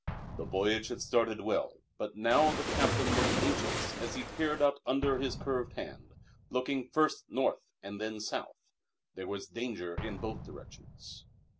The voyage had started well, but now the captain looked anxious as he peered out under his curved hand, looking first south and then north. There was danger in both directions.